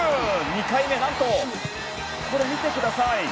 ２回目なんとこれ見てください